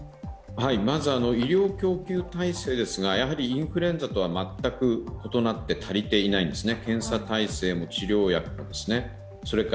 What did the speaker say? まず医療供給体制ですがやはりインフルエンザとは全く異なって、足りていないんですね、検査体制も治療薬も。